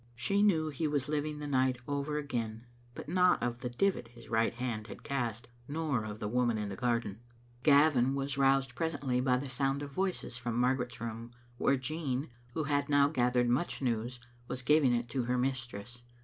She knew he was living the night over again, but not of the divit his right hand had cast, nor of the woman in the garden. Gavin was roused presently by the sound of voices from Margaret's room, where Jean, who had now gath ered much news, was giving it to her mistress.